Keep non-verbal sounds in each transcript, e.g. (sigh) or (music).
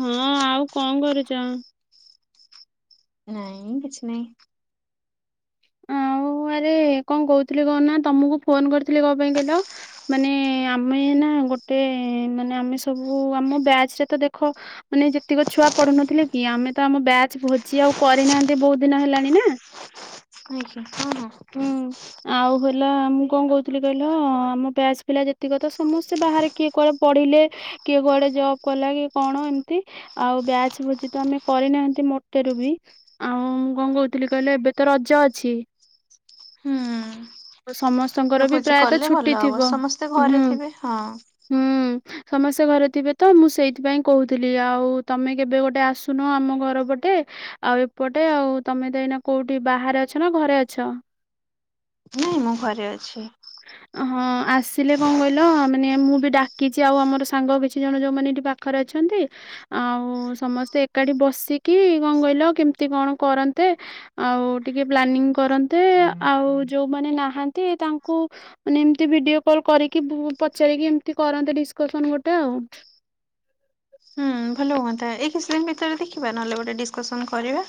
ହଁ ଆଉ କଣ କରୁଚ? ନାଇଁ କିଛି ନାଇଁ। ଆଉ ଆରେ କଣ କହୁଥିଲି କହନା ତୋମକୁ ଫୋନ୍ କରିଥିଲି କଣ ପାଇଁ କହିଲ? ମାନେ ଆମେ ନା ଗୋଟେ ମାନେ ଆମେ ସବୁ ଆମ ବ୍ୟାଚ୍ ରେ ତ ଦେଖ ମାନେ ଯେତିକ ଛୁଆ ପଢୁନଥିଲେ କି ଆମେ ତ ଆମ ବ୍ୟାଚ୍ ଭୋଜି ଆଉ କରିନାହାନ୍ତି ବହୁତ ଦିନ ହେଲାଣି ନା। ଆଜ୍ଞା ହଁ, ହଁ। ହୁଁ। ଆଉ ହେଲା ମୁଁ କଣ କହୁଥିଲି କହିଲ ଆମ ବ୍ୟାଚ୍ ପିଲା ଯେତିକ ତ ସମସ୍ତେ ବାହାରେ କିଏ କୁଆଡେ ପଢିଲେ। କିଏ କୁଆଡେ ଜବ୍ କଲା କିଏ କଣ ଏମତି। ଆଉ ବ୍ୟାଚ୍ ଭୋଜି ତ ଆମେ କରିନାହାନ୍ତି ମୋଟେରୁ ବି। ଆଉ ମୁଁ କଣ କହୁଥିଲି କହିଲେ ଏବେ ତ ରଜ ଅଛି। ହଁ। ତ ସମସ୍ (unintelligible) ଭୋଜି କଲେ ଭଲ ହବ ସମସ୍ତେ ହୁଁ ଘରେ ଥିବେ ହଁ। ହୁଁ ସମସ୍ତେ ଘରେ ଥିବେ ତ ମୁଁ ସେଇଥିପାଇଁ କହୁଥିଲି ଆଉ ତୋମେ କେବେ ଗୋଟେ ଆସୁନ ଆମ ଘର ପଟେ ଆଉ ଏପଟେ। ଆଉ ତୋମେ ତ ଏଇନା କୋଉଠି ବାହାରେ ଅଛ ନା ଘରେ ଅଛ? ନାଇଁ ମୁଁ ଘରେ ଅଛି। ହଁ ଆସିଲେ କଣ କହିଲ ମାନେ ମୁଁ ବି ଡାକିଛି ଆଉ ଆମର ସାଙ୍ଗ କିଛି ଜଣ ଯୋଉମାନେ ଏଠି ପା ଖରେ ଅଛନ୍ତି। ଆଉ ସମସ୍ତେ ଏକାଠି ବସିକି କଣ କହିଲ କେମିତି କଣ କରନ୍ତେ ଆଉ ଟିକେ ପ୍ଲାନିଂ କରନ୍ତେ ଆଉ ଯୋଉମାନେ ନାହାନ୍ତି ତାଙ୍ କୁ ମାନେ ଏମତି ଭିଡିଓ କଲ୍ କରିକି ବୁ ପଚାରିକି ଏମତି କରନ୍ତେ ଡିସ୍କସନ୍ ଗୋଟେ ଆଉ। ହୁଁ, ଭଲ ହୁଅନ୍ତା। ଏଇ କିଛି ଦିନ ଭିତରେ ଦେଖିବା ନହେଲେ ଗୋଟେ ଡିସ୍କସନ କରିବା।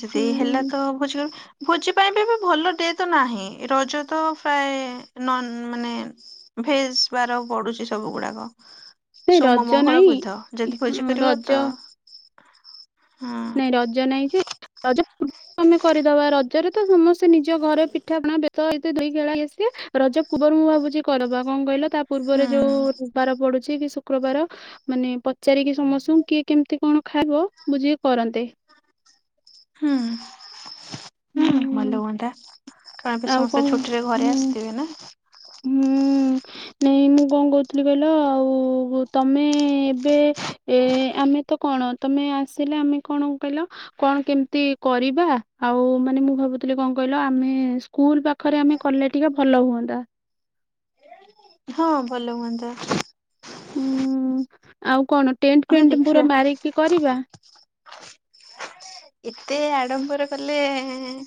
ଯଦି ହେଲା ହୁଁ। ତ ଭୋଜି ଭୋଜି ପାଇଁ ବିବି ଭଲ ଡେ ତ ନାହିଁ। ରଜ ତ ପ୍ରାୟ ନନ୍ ମାନେ ଭେଜ୍ ବାର ପଡୁଚି ସବୁ ଗୁଡାକ। ନାଇଁ ସୋମ, ରଜ ମଙ୍ଗଳ, ନାଇଁ ବୁଧ ଯଦି ଭୋଜି ହଁ, କରିବ ତ ରଜ ହଁ ନାଇଁ ରଜ ନାଇଁ ଯେ ରଜ ପୂର୍ ଆମେ କରିଦବା ରଜରେ ତ ସମସ୍ତେ ନିଜ ଘରେ ପିଠାପଣା ବେତ ଏ ତ ଦୋଳି ଖେଳା ଇଏ ସିଏ। ରଜ ପୂର୍ବରୁ ମୁଁ ଭାବୁଛି କରବା। କଣ କହିଲ ତା ହୁଁ। ପୂର୍ବରେ ଯୋଉ ଉବାର ପଡୁଛି କି ଶୁକ୍ରବାର ମାନେ ପଚାରିକି ସମସ୍ତଙ୍କୁ କିଏ କେମିତି କଣ ଖାଇବ ବୁଝିକି କରନ୍ତେ। ହୁଁ। ହୁଁ ଭଲ ହୁଅନ୍ତା କାଣ ବି ଆଉ କଣ ସମସ୍ତେ ଛୁଟିରେ ଘରେ ହୁଁ। ଆସିଥିବେ ନା। (unintelligible) ନାଇ ମୁଁ କଣ କହୁଥିଲି କହିଲ ଆଉ ତମେ ଏବେ ଏ ଆମେ ତ କଣ ତମେ ଆସିଲେ ଆମେ କଣ କହିଲ। କଣ କେମିତି କରିବା ଆଉ ମାନେ ମୁଁ ଭାବୁଥିଲି କଣ କହିଲ ଆମେ। ସ୍କୁଲ ପାଖରେ ଆମେ କଲେ ଟିକେ ଭଲ ହୁଅନ୍ତା। ହଁ ଭଲ ହୁଅନ୍ତା। ହୁଁ ଆଉ କଣ ଟେଣ୍ଟ ହଉ ଫେଣ୍ଟ ଦେଖିବା ପୁରା ମାରିକି କରିବା। ଏତେ ଆଡମ୍ବର କଲେ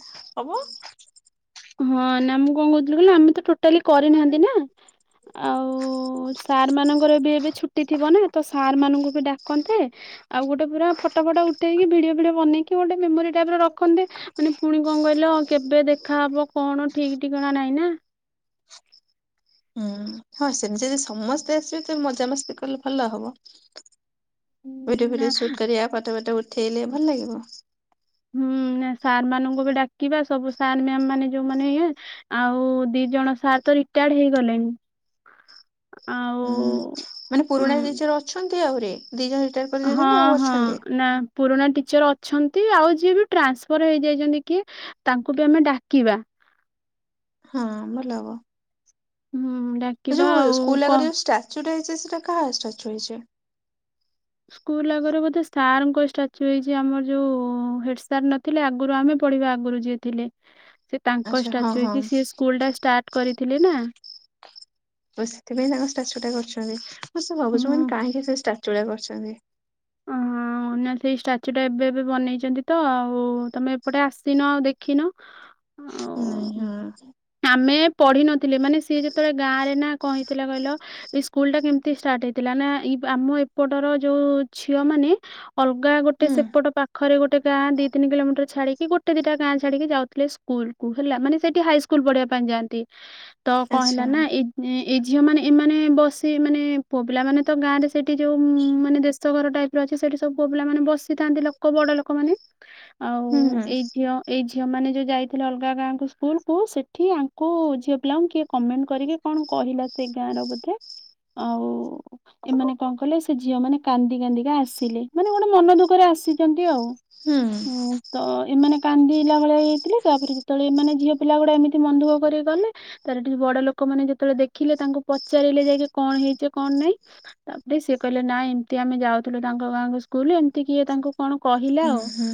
ହବ। ହଁ ନା ମୁଁ କଣ କହୁଥିଲି କହିଲ ଆମେ ତ ଟୋଟାଲି ହୁଁ କରିନାହାନ୍ତି ନା। ଆଉ ସାର୍ ମାନଙ୍କର ବି ଏବେ ଛୁଟି ଥିବ ନା ତ ସାର୍ ମାନଙ୍କୁ ବି ଡାକନ୍ତେ। ଆଉ ଗୋଟେ ପୁରା ଫଟୋ ଫଟା ଉଠେଇକି ଭିଡିଅ ଫିଡିଅ ବନେଇକି ଗୋଟେ ମେମୋରି ଟାଇପର ରଖନ୍ତେ। ମାନେ ପୁଣି କଣ କହିଲ କେବେ ଦେଖାହବ କଣ ଠିକ ଠିକଣା ନାଇଁ ନା। ହଁ ସେମିତି ଯଦି ସମସ୍ତେ ଆସିବେ ତବେ ମଜାମସ୍ତି କଲେ ଭଲ ହବ। ଭିଡିଓ ନା ଭିଡିଓ ଶୁଟ କରିଆ ଫଟ ପଟ ଉଠେଇଲେ ଭଲ ଲାଗିବ। ହୁଁ ସାର୍ ମାନଙ୍କୁ ବି ଡାକିବା ସବୁ ସାର ମ୍ୟାମ ମାନେ ଯୋଉ ମାନେ ଇଏ ଆଉ ଦି ଜଣ ସାର୍ ତ ରିଟାୟାର୍ଡ ହେଇଗଲେଣି ଆ ହୁଁ ମାନେ ପୁରୁଣା ଦିଜରେ ଅଛନ୍ତି ଆହୁରି ଦି ଜଣ ସେଟା ହଁ ହଁ ନା। ପୁରୁଣା ଟିଚର୍ ଅଛନ୍ତି ଆଉ ଯିଏ ବି ଟ୍ରାନ୍ସଫର୍ ହେଇଯାଇଛନ୍ତି କିଏ ତାଙ୍କୁ ବି ଆମେ ଡାକିବା। ହଁ ଭଲ ହେବ। ହୁଁ ଡା ଯୋଉ ସ୍କୁଲ ଆଗରେ ଯୋଉ ଷ୍ଟାଚୁଟା ହେଇଛି ସେଟା କାହା ଷ୍ଟାଚୁ ହେଇଛି? ସ୍କୁଲ ଆଗରେ ବୋଧେ ସାରଙ୍କ ଷ୍ଟାଚୁ ହେଇଛି ଆମର ଯୋଉ ହେଡ ସାର ଲ ଥିଲେ ଆଗରୁ ଆମେ ପଢିବା ଆଗରୁ ଯିଏ ଥିଲେ। ସେ ତାଙ୍କ ଆଚ୍ଛା ହଁ ଷ୍ଟାଚୁ ହଁ ହେଇଛି ସିଏ ସ୍କୁଲ ଟା ଷ୍ଟାର୍ଟ କରିଥିଲେ ନା। ସେଥିପାଇଁ ତାଙ୍କ ଷ୍ଟାଚୁ ଟା କରିଛନ୍ତି ମୁଁ ସେ ଭାବୁଛୁ ମାନେ ହୁଁ କାହିଁକି ସେ ଷ୍ଟାଚୁ ଟା କରିଛନ୍ତି। (unintelligible) ସେଇ ଷ୍ଟାଚ୍ୟୁ ଟା ଏବେ ଏବେ ବନେଇଛନ୍ତି ତ ଆଉ ତମେ ଏପଟେ ଆସିନ ଆଉ ଦେଖିନ। ନାଇଁ ଆଉ ହଁ। ଆମେ ପଢି ନଥିଲେ ମାନେ ସିଏ ଯେତେବେଳେ ଗାଁ ରେ ନା କଣ ହେଇଥିଲା କହିଲ ଏଇ ସ୍କୁଲ ଟା କେମିତି ଷ୍ଟାର୍ଟ ହେଇଥିଲା ନା (unintelligible) ଆମ ଏପଟର ଯଉ ଝିଅ ମାନେ ଅଲଗା ଗୋଟେ ହୁଁ ସେପଟ ପାଖ ଘରେ ଗୋଟ ଗଁ ଦି ତିନି କିଲୋମିଟର ଛାଡିକି ଗୋଟେ ଦିଟା ଗାଁ ଛାଡିକି ଯାଉଥିଲେ ସ୍କୁଲ ହେଲା ମାନେ ସେଠି ହାଇ ସ୍କୁଲ ପଢିବା ପାଇଁ ଯାଆନ୍ତି। ତ କଣ ହେଲା ଆଚ୍ଛା। ନା ଏଇ ଏଇ ଝିଅ ମାନେ ଏମାନେ ବସି ମାନେ ପୁଅ ପିଲାମାନେ ତ ଗାଁ ରେ ସେଇଠି ଯୋଉ ମାନେ ଦେ ଘର ଟାଇପ ର ଅଛି ସେଠି ସବୁ ପିଲା ମାନେ ବସିଥାନ୍ତି ଲୋକ ବଡ ଲୋକମାନେ ଆଉ ହୁଁ ହୁଁ ଏଇ ଝିଅ ଏଇ ଝିଅମାନେ ଯେଉଁ ଯାଇଥିଲେ ଅଲଗା ଗାଁଙ୍କୁ ସ୍କୁଲକୁ ସେଠି ଆଙ୍କୁ ଝିଅ ପିଲାଙ୍କୁ କିଏ କମେଣ୍ଟ କରିକି କଣ କହିଲା ସେ ଗାଁ ର ବୋଧେ ଆଉ ଏମାନେ କଣ କହିଲେ ସେ ଝିଅ ମାନେ କାନ୍ଦି କାନ୍ଦିକା ଆସିଲେ ମାନେ ଗୋଟେ ମନ ଦୁଃଖରେ ଆସିଛନ୍ତି ଆଉ। ହୁଁ। ହଁ ତ ଏମାନେ କାନ୍ଦିିଲା ଭଳିଆ ହେଇ ଯାଇଥିଲେ। ତାପରେ ଯେତେବେଳେ ଏମାନେ ଝିଅ ପିଲା ଗୁଡା ଏମିତି ମନ ଦୁଃଖ କରି ଗଲେ ତାପରେ ହେଠି ବଡ ଲୋକମାନେ ଯେତେବେଳେ ଦେଖିଲେ, ତାଙ୍କୁ ପଚାରିଲେ ଯାଇକି କଣ ହେଇଛି କଣ ନାଇଁ। ତାପରେ ସେ କହିଲେ ନା ଏମି ତି ଆମେ ଯାଉଥିଲୁ ତାଙ୍କ ଗାଁଙ୍କ ସ୍କୁଲ ଏମିତି କି ତାଙ୍କୁ କଣ କହିଲା ଆଉ। ହୁଁ ହୁଁ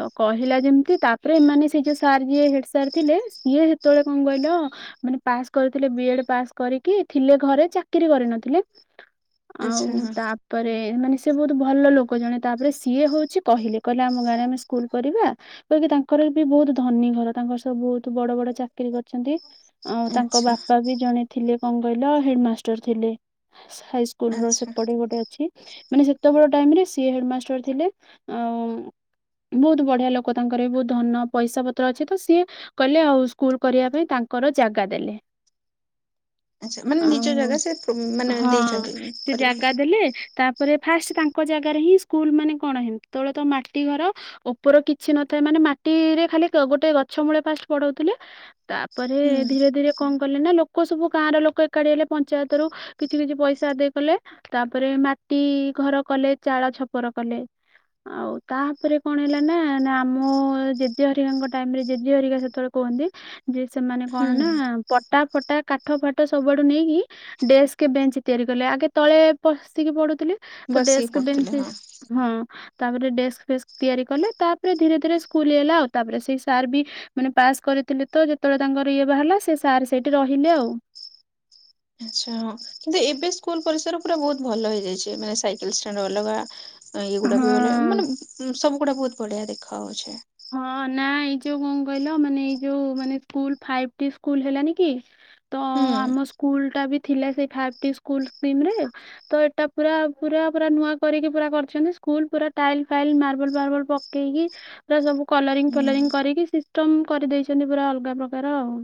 ତ କହିଲା ଯେମତି ତାପରେ ଏମାନେ ସେ ଯୋଉ ସାର୍ ଯିଏ ହେଡ ସାର୍ ଥିଲେ ସିଏ ସେତେବେଳେ କଣ କହିଲ ମାନେ ପାସ୍ କରିଥିଲେ ବି ଏଡ ପାସ୍ କରିକି ଥିଲେ ଘରେ ଚାକିରି କରିନଥିଲେ। ଆଚ୍ଛା ଆଉ ହଁ ତାପ ପରେ ମାନେ ସିଏ ବହୁତ ଭଲ ଲୋକ ଜଣେ ତାପରେ ସିଏ ହଉଛି କହିଲେ କହିଲେ ଆମ ଗାଁରେ ଆମେ ସ୍କୁଲ କରିବା। କାହିଁକି ତାଙ୍କର ବି ବହୁତ ଧନୀ ଘର। ତାଙ୍କର ସବୁ ବହୁତ ବଡ଼ ବଡ଼ ଚାକିର କରିଛନ୍ତି। ଆଉ ତାଙ୍କ ଆଚ୍ଛା ବାପା ବି ଜଣେ ଥିଲେ କଣ କହିଲ ହେଡମାଷ୍ଟର ଥିଲେ, ହାଇସ୍କୁଲ ସ୍କୁଲରେ ଆଚ୍ଛା। ସେପଟେ ଗୋଟେ ଅଛି। ମାନେ ସେତବେଳ ଟାଇମି ର ସିଏ ହେଡ଼ମାଷ୍ଟର ଥିଲେ। ଆଉ ବହୁତ ବଢିଆ ଲୋକ ତାଙ୍କର ବି ବହୁତ ଧନ ପଇସା ପତ୍ର ଅଛି। ତ ସିଏ କଲେ ଆଉ ସ୍କୁଲ କରିବା ପାଇଁ ତାଙ୍କର ଜାଗା ଦେଲେ। ଆଚ୍ଛା ମାନେ ନିଜ ଆଉ ଜାଗା ସେ ମାନେ ହଁ। ଦେଇଛନ୍ତି ସେ କରିବା ଜାଗା ପାଇଁ। ଦେଲେ ତାପରେ ଫାଷ୍ଟ ତାଙ୍କ ଜାଗାରେ ହିଁ ସ୍କୁଲ ମାନେ କଣ ହେତବେଳେ ତ ମାଟି ଘର। ଉପର କିଛି ନଥାଏ। ମାନେ ମାଟିରେ ଖାଲି ଗୋଟେ ଗଛ ମୂଳେ ଫାଷ୍ଟ ପଢ଼ଉଥିଲେ। ତା ପରେ ହୁଁ ଧୀରେ ଧୀରେ କଣ କଲେ ନାଁ ଲୋକ ସବୁ ଗାଁ ର ଲୋକ ଏକାଠି ହେଲେ ପଞ୍ଚାୟତରୁୁ କିଛି କିଛି ପଇସା ଆଦେଇ କଲେ। ତା ପରେ ମାଟି ଘର କଲେ ଚାଳ ଛପର କଲେ। ଆଉ ତାପରେ କଣ ହେଲା ନା ନା ଆମ ଜେଜେ ହେରିକା ଟାଇମ୍ ରେ ଜେଜେ ହେରିକା ସେତେବେଳେ କୁହନ୍ତି ଯେ ସେମାନେ କଣ ହୁଁ। ନା ପ ପଟା-ଫଟା, କାଠ-ଫାଟ ସବୁଆଡୁ ନେଇକି ଡେସ୍କ, ବେଞ୍ଚ ତିଆରି କଲେ। ଆଗେ ତଳେ ବସିକି ପଢୁଥିଲେ। ତ ବସିକି ଡେସ୍କ ବେଞ୍ଚ ପଢୁଥିଲେ ହଁ ହଁ। ତାପରେ ଡେସ୍କ-ଫେସ୍କ ତିଆରି କଲେ ତାପରେ ଧୀରେ ଧୀରେ ସ୍କୁଲ ହେଲା ଆଉ। ତାପରେ ସେଇ ସାର୍ ବି ମାନେ ପାସ୍ କରିଥିଲେ ତ ଯେତେବେଳେ ତାଙ୍କର ଇଏ ବାହାରିଲା ସେ ସାର୍ ସେଇଠି ରହିଲେ ଆଉ। ଆଚ୍ଛା ହଁ, କିନ୍ତୁ ଏବେ ସ୍କୁଲ ପରିସର ପୁରା ବହୁତ ଭଲ ହେଇଯାଇଛି। ମାନେ ସାଇକେଲ ଷ୍ଟାଣ୍ଡ ଅଲଗା ଏଇଗୁଡା ବି ହଁ ମାନେ ସବୁଗୁଡା ବହୁତ ବଢିଆ ଦେଖା ହଉଛି। ହଁ ନା ଏଇ ଯୋଉ କଣ କହିଲ ମାନେ ଏଇ ଯୋଉ ମାନେ ସ୍କୁଲ ଫାଇଫ୍ ଟି ସ୍କୁଲ ହେଲାନି କି? ତ ହୁଁ ଆମ ସ୍କୁଲ ଟା ବି ଥିଲା ସେଇ ଫାଇଫ୍ ଟି ସ୍କୁଲ ଟିମରେ ତ ଏଇଟା ପୁରା ପୁରା ପୁରା ନୂଆ କରିକି ପୁରା କରିଛନ୍ତି। ସ୍କୁଲ ପୁରା ଟାଇଲ୍-ଫାଇଲି, ମାର୍ବଲ-ଫାର୍ବଲ ପକେଇକି, ପୁରା ସବୁ ହୁଁ। କଲରିଙ୍ଗ-ଫଲରିଙ୍ଗି କରିକି ସିଷ୍ଟମ କରିଦେଇଛନ୍ତି ପୁରା ଅଲଗା ପ୍ରକାର ଆଉ।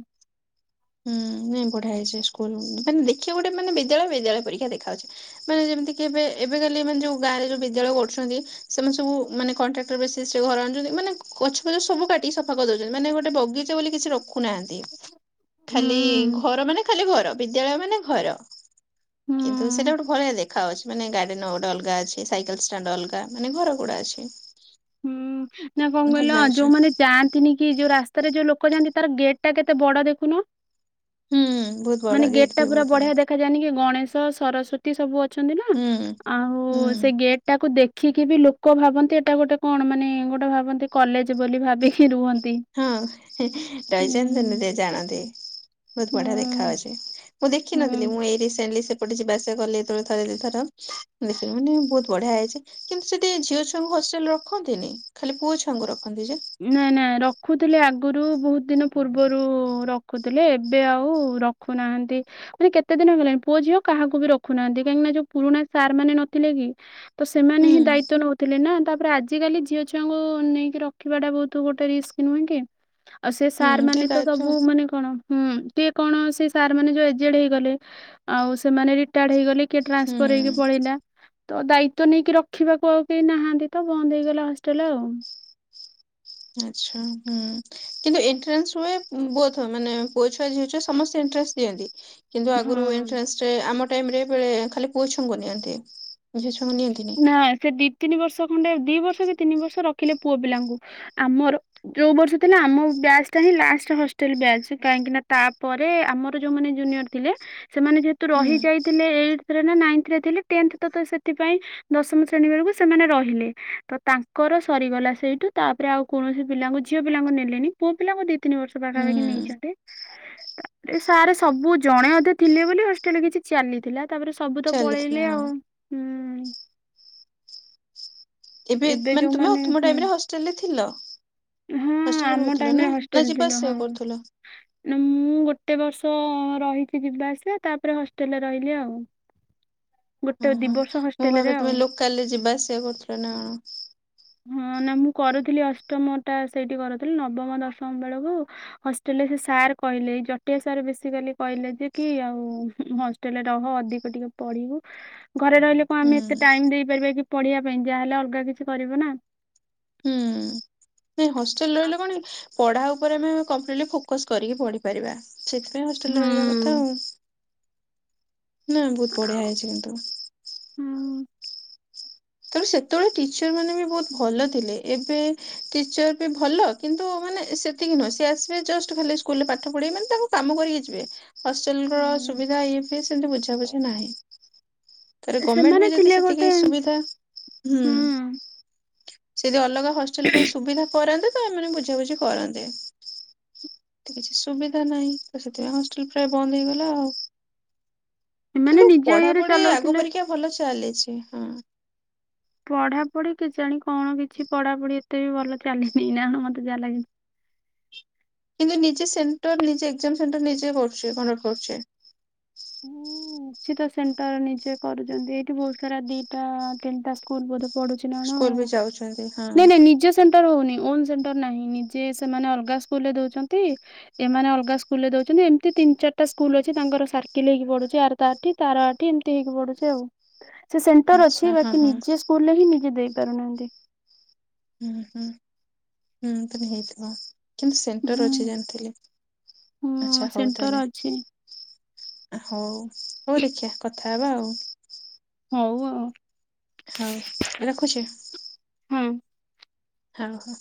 ହୁଁ, ନାଇଁ ବଢିଆ ହେଇଛି ସ୍କୁଲ। ମାନେ ଦେଖିବା ପାଇଁ ଗୋଟେ ମାନେ ବିଦ୍ୟାଳୟ ବିଦ୍ୟାଳୟ ପରିକା ଦେଖା ହଉଛି। ମାନେ ଯେମିତି କିି ଏବେ ଏବେ କାଲି ମାନେ ଯୋଉ ଗାଁରେ ଯୋଉ ବିଦ୍ୟାଳୟ କରୁଛନ୍ତି ସେମାନେ ସବୁ ମାନେ କଣ୍ଟ୍ରାକ୍ଟର ବେସିସ୍ ରେ ଘର ଆଣୁଛନ୍ତି। ମାନେ ଗଛ-ପଛ ସବୁ କାଟିକି ସଫା କରି ଦେଉଛନ୍ତି। ମାନେ ଗୋଟେ ବଗିଚା ବୋଲି କିଛି ରଖୁନାହାନ୍ତି। ହୁଁ ଖାଲି ଘର ମାନେ ଖାଲି ଘର ବିଦ୍ୟାଳୟ ମାନେ ଘର। କିନ୍ତୁ ହୁଁ ସେଟା ଗୋଟେ ସେଭଳିଆ ଦେଖ ଦେଖା ହଉଛି। ମାନେ ଗାର୍ଡେନ୍ ଗୋଟେ ଅଲଗା ଅଛି, ସାଇକେଲ ଷ୍ଟାଣ୍ଡ ଅଲଗା ମାନେ ଘର ଗୁଡା ଅଛି। ହୁଁ, ନାଁ କଣ ଭଲ କହିଲ ଲାଗୁଛି ଯୋଉମାନେ ଯାଆନ୍ତି ନି କି ଯୋଉ ରାସ୍ତାରେ ଯୋଉ ଲୋକ ଯାଆନ୍ତି ତାର ଗେଟ୍ ଟା କେତେ ବଡ ଦେଖୁନ। ହୁଁ ବହୁତ ମାନେ ବଡ ଗେଟ୍ ଟା ବି ପୁରା ବହୁତ ବଢିଆ ଦେଖା ଦେଖା ଯାଉନି କି? ଗଣେଶ, ସରସ୍ଵତୀ ସବୁ ଅଛନ୍ତି ନା। ହୁଁ ଆଉ ସେ ହୁଁ। ଗେଟ୍ ଟାକୁ ଦେଖିକି ବି ଲୋକ ଭାବନ୍ତି ଏଇଟା ଗୋଟେ କଣ ମାନେ ଗୋଟେ ଭାବନ୍ତି କଲେଜ ବୋଲି ଭାବିକି ରୁହନ୍ତି। ହଁ ଉଁ ରହିଯାନ୍ତି ତ ନିଜେ ଜାଣନ୍ତି। ବହୁତ ହୁଁ ବଢିଆ ଦେଖା ହଉଛି। ମୁଁ ଦେଖିନଥିଲି ହୁଁ ମୁଁ ଏଇ ରିସେଣ୍ଟ୍ଲି ଏପଟେ ଯିବା ଆସିବା କଲି ଯେତେବେଳେ ଥରେ ଦିଥର ଦେଖିଲି ମୁଁ କହିଲି ବହୁତ ବଢିଆ ହେଇଛି। କିନ୍ତୁ ସେଠି ଝିଅ ଛୁଆଙ୍କୁ ହଷ୍ଟେଲରେ ରଖନ୍ତିନି ଖାଲି ପୁଅ ଛୁଆଙ୍କୁ ରଖନ୍ତି ଯେ। ନାଇଁ ନାଇଁ ରଖୁଥିଲେ ଆଗରୁ ବହୁତ ଦିନ ପୂର୍ବରୁ ରଖୁଥିଲେ ଏବେ ଆଉ ର ରଖୁନାହାନ୍ତି ମାନେ କେତେ ଦିନ ହେଲାଣି ପୁଅ ଝିଅ କାହାକୁ ବି ରଖୁନାହାନ୍ତି କାହିଁକିନା ଯୋଉ ପୁରୁଣା ସାର୍ ମାନେ ନଥିଲେ କି ତ ସେମାନେ ହୁଁ ହିଁ ଦାୟିତ୍ୱ ନଉଥିଲେ ନା। ତାପରେ ଆଜିକାଲି ଝିଅ ଛୁଆଙ୍କୁ ନେଇକି ର ରଖିବା ଟା ବହୁତ ଗୋଟେ ରିସ୍କ ନୁହେଁ କି। ଆଉ ସେ ସାର୍ ହୁଁ ଟିକେ ମାନେ ତ ସବୁ ଦାୟିତ୍ୱ ମାନେ କଣ ହୁଁ ଟିକେ କଣ ସେ ସାର୍ ମାନେ ଯୋଉ ଏଜେଡ୍ ହେଇଗଲେ ଆଉ ସେମାନେ ରିଟାର୍ଡ ହେଇଗଲେ। କିଏ ଟ୍ରାନ୍ସଫର ହେଇକି ହୁଁ ପଳେଇଲା। ତ ଦାୟିତ୍ଵ ନେଇକି ରଖିବାକୁ ଆଉ କେହି ନାହାନ୍ତି ତ ବନ୍ଦ ହେଇଗଲା ହଷ୍ଟେଲ ଆଉ। ଆଛା ହୁଁ। କିନ୍ତୁ ଏଣ୍ଟ୍ରାନ୍ସ ହୁଏ ବୋଥ ମାନେ ପୁଅ ଛୁଆ ଝିଅ ଛୁଆ ସମସ୍ତେ ଏଣ୍ଟ୍ରାନ୍ସ ଦିଅନ୍ତି। କିନ୍ତୁ ଆଗରୁ ହୁଁ। ଏନ୍ଟ୍ରାନ୍ସ ରେ ଆମ ଟାଇମ୍ ରେ ବେ ଖାଲି ପୁଅଛୁଆଙ୍କୁ ନିଅନ୍ତି ଝିଅଛୁଆଙ୍କୁ ନି ନା ସେ ଦି ତିନି ବର୍ଷ ଖଣ୍ଡେ ଦି ବର୍ଷ କି ତିନି ବର୍ଷ ରଖିଲେ ପୁଅ ପିଲାଙ୍କୁ। ଆମର ଯୋଉ ବର୍ଷ ଥିଲା ଆମ ବ୍ୟାଚ ଟା ହିଁ ଲାଷ୍ଟ ହଷ୍ଟେଲ ବ୍ୟାଚ କାହିଁକି ନା ତାପରେ ଆମ ଯୋଉମାନେ ଜୁନିୟର ଥିଲେ ସେମାନେ ଯେହେ ତୁ ରହି ହୁଁ ଯାଇଥିଲେ ଏଇଟ୍ ରେ ନା ନାଇନ୍ଥରେ ଥିଲେ ଟେନ୍ଥ ତ ତ ସେଥିପାଇଁ ଦଶମ ଶ୍ରେଣୀ ବେଳକୁ ସେମାନେ ରହିଲେ। ତ ତାଙ୍କର ସରିଗଲା ସେଇଠୁ ତାପରେ ଆଉ କୌଣସି ପିଲାଙ୍କୁ ଝିଅ ପିଲାଙ୍କୁ ନେଲେନି ପୁଅ ପିଲାଙ୍କୁ ଦି ତିନି ବର୍ଷ ପାଖାପାଖି ହୁଁ ନେଇଛନ୍ତି। ତାପରେ ସାର୍ ସବୁ ଜଣେ ଅଧେ ଥିଲେ ବୋଲି ହଷ୍ଟେଲରେ କିଛି ଚାଲିଥିଲା ତାପରେ ସବୁ ତ ଚାଲିଥିଲା ପଳେଇଲେ ହଁ। ଆଉ ହୁଁ ଏବେ ମାନେ ତୁମେ ଯୋଉମାନେ ତୁମ ହୁଁ ଟାଇମ୍ ରେ ହଷ୍ଟେଲ ରେ ଥିଲ? ହଁ ହଷ୍ଟେଲରେ ଆମ ରହୁଥିଲ ଟାଇମ୍ ନା ରେ ନା ହଷ୍ଟେଲ ଯିବା ଥିଲା ହଁ ଆସିବା କରୁଥିଲ ନାଁ ମୁଁ ଗୋଟେ ବର୍ଷ ରହିକି ଯିବା ଆସିବା ତାପରେ ହଷ୍ଟେଲରେ ରହିଲି ଆଉ ଗୋଟେ ଦି ଓହୋ ବର୍ଷ ମୁଁ ହଷ୍ଟେଲରେ ଭାବେ ଆଉ। ତମେ ଲୋକାଲ୍ ରେ ଯିବା ଆସିବା କରୁଥିଲ ନା କଣ ହଁ ନା ମୁଁ କରୁଥିଲି ଅଷ୍ଟମ ଟା ସେଇଠି କରୁଥିଲି ନବମ ଦଶମ ବେଳକୁ ହଷ୍ଟେଲରେ ସେ ସାର୍ କହିଲେ ଜଟିଆ ସାର୍ ବେସିକାଲି କହିଲେ ଯେ କି ଆଉ ହସ୍ ଟେଲ୍ ରେ ରହ ଅଧିକ ଟିକେ ପଢିବୁ। ଘରେ ରହିଲେ କ ହୁଁ ଆମେ ଏତେ ଟାଇମ୍ ଦେଇପାରିବା କି ପଢିବା ପାଇଁ ଯାଆହେଲେ ଅଲଗା କିଛି କରିବ ନା ହୁଁ ନାଇଁ ହଷ୍ଟେଲ ରହିଲେ କଣ କି ପଢା ଉପରେ ଆମେ କମ୍ପିଲ୍ଟ ଫୋକସ୍ କରିକି ପଢିପାରିବା ସେଇଥିପାଇଁ ହଷ୍ଟେଲରେ ରହିବା। ତ ହୁଁ। ନା ବହୁତ ବଢିଆ ଆଉ- ହେଇଛି କିନ୍ତୁ। ହୁଁ ତେଣୁ ସେତେବେଳେ ଟିଚର୍ ମାନେ ବି ବହୁତ ଭଲ ଥିଲେ। ଏବେ ଟିଚର୍ ବି ଭଲ କିନ୍ତୁ ମାନେ ସେତିକି ନୁହଁ ସେ ଆସିବେ ଜଷ୍ଟ ଖାଲି ସ୍କୁଲରେ ପାଠ ପଡେଇ ମାନେ ତାଙ୍କ କାମ କରିକି ଯିବେ। ହଷ୍ଟେଲ ର ହୁଁ। ସୁବିଧା ଇଏ ବି ସେମିତି ବୁଝାବୁଝି ନାହିଁ। ତାରେ ଗମେଣ୍ଟ ବି ସେମାନେ ଯଦି ଥିଲେ ସେତିକି ଗୋଟେ ସୁବିଧା ହୁଁ ହୁଁ ସେ ଯଦି ଅଲଗା ହଷ୍ଟେଲ ପାଇଁ ସୁବିଧା କରାନ୍ତେ ତ ଏମାନେ ବୁଝାବୁଝି କରନ୍ତେ। କିଛି ସୁବିଧା ନାହିଁ ତ ସେଥିପାଇଁ ହଷ୍ଟେଲ ପ୍ରାୟ ବନ୍ଦ ହେଇଗଲା ଆଉ ଏମାନେ କିନ୍ତୁ ନିଜ ଇଏରେ ପଢାପଢି ଆଗ ଚଲଉଥିଲେ। ପରିକା ଭଲ ଚାଲିଛି ହଁ ପଢାପଢି କେଜାଣି କଣ କିଛି ପଢାପଢି ଏତେ ବି ଭଲ ଚାଲିନି ନା ମତେ ଯାହା ଲାଗୁଚି କିନ୍ତୁ ନିଜେ ସେଣ୍ଟର ନିଜେ ଏକ୍ଜାମ ସେଣ୍ଟର ନିଜେ କରୁଛି କଣ୍ଡକ୍ଟ କରୁଚି। ହଁ କିଛି ତ ସେଣ୍ଟର ନିଜେ କରୁଛନ୍ତି ଏଇଠି ବହୁତ ସାରା ଦିଟା ତିନିଟା ବୋଧେ ପଢୁଛି ନା କଣ ସ୍କୁଲ ଆଉ ବି ଯାଉଛନ୍ତି ହଁ ନାଇଁ ନାଇଁ ନିଜ ସେଣ୍ଟର ହଉନି ଓନ୍ ସେଣ୍ଟର ନାହିଁ ନିଜେ ସେମାନେ ଅଲଗା ସ୍କୁଲ ରେ ଦଉଛନ୍ତି ଏମାନେ ଅଲଗା ସ୍କୁଲରେ ଦଉଛନ୍ତି ଏମିତି ତିନ୍ ଚାରିଟା ସ୍କୁଲ ଅଛି ତାଙ୍କର ସା ବିକିଲେଇକି ପଡୁଛି ଆର ତାଠି ତା'ର ଆଠି ଏମିତି ହେଇକି ପଡୁଛି ଆଉ। ସେ ସେଣ୍ଟର ଆଚ୍ଛା ଅଛି ହଁ ବାକି ହଁ ନିଜେ ସ୍କୁଲରେ ହିଁ ନିଜେ ଦେଇ ପାରୁନାହାନ୍ତି। ହୁଁ ହୁଁ ହୁଁ ହେଇଥିବ। କିନ୍ତୁ ସେଣ୍ଟର ଅଛି ହୁଁ ଜାଣିଥିଲି ହୁଁ ଆଚ୍ଛା ହଉ ସେଣ୍ଟର ତାହେଲେ। ଅଛି। ହଉ ହଉ ଦେଖିବା କଥା ହେବା ଆଉ। ହଉ ଆଉ। ହଉ ରଖୁଛି। ହଁ ହଁ ହଁ।